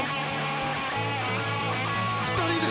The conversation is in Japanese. ２人で。